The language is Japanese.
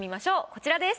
こちらです。